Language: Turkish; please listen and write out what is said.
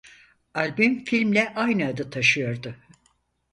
Albüm filmle aynı adı taşıyordu.